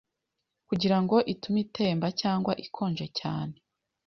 kugirango itume itemba cyangwa ikonje cyane